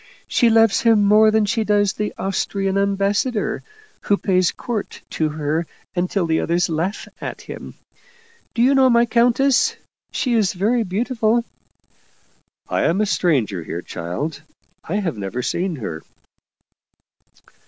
She loves him more than she does the Austrian ambassador, who pays court to her until the others laugh at him. Do you know my countess? She is very beautiful." " I am a stranger here, child. I have never seen her."